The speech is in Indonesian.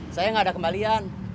saya gak ada kembalian